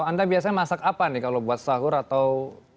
jadi di sana masak apa nih kalau buat sahur atau